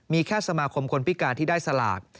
มีแค่สมาคมคนพิการที่ได้สลาก